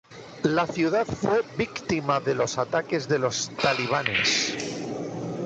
La ciudad fue víctima de los ataques de los talibanes.